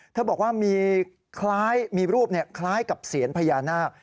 เธอบอกว่ามีคล้ายมีรูปคล้ายกับเสียญพญานาค